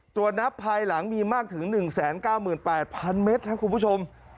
ตรวจนับภายหลังมีมากถึง๑๙๘๐๐๐เมตรครับคุณผู้ชม